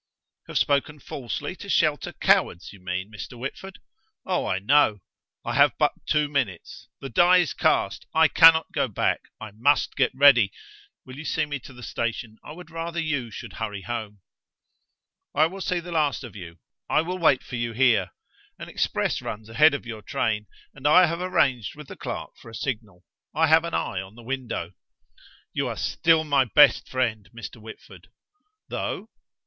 "Have spoken falsely to shelter cowards, you mean, Mr. Whitford. Oh, I know. I have but two minutes. The die is cast. I cannot go back. I must get ready. Will you see me to the station? I would rather you should hurry home." "I will see the last of you. I will wait for you here. An express runs ahead of your train, and I have arranged with the clerk for a signal; I have an eye on the window." "You are still my best friend, Mr. Whitford." "Though?"